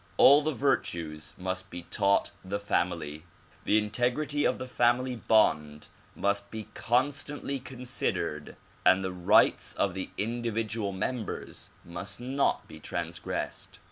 All the virtues must be taught the family. The in tegrity of the family bond must be constantly considered and the rights of the individual members must not be transgressed.